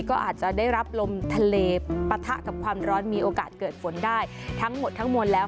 ก็อาจจะได้รับลมทะเลปะทะกับความร้อนมีโอกาสเกิดฝนได้ทั้งหมดทั้งมวลแล้ว